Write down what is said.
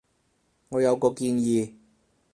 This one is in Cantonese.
我有個建議